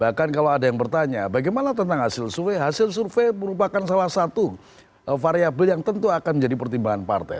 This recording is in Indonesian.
bahkan kalau ada yang bertanya bagaimana tentang hasil survei hasil survei merupakan salah satu variabel yang tentu akan menjadi pertimbangan partai